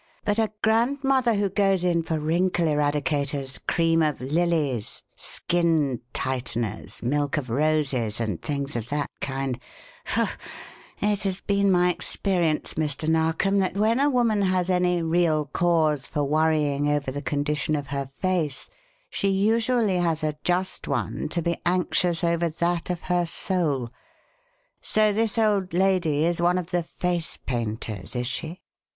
But a grandmother who goes in for wrinkle eradicators, cream of lilies, skin tighteners, milk of roses, and things of that kind faugh! It has been my experience, Mr. Narkom, that when a woman has any real cause for worrying over the condition of her face, she usually has a just one to be anxious over that of her soul. So this old lady is one of the 'face painters,' is she?"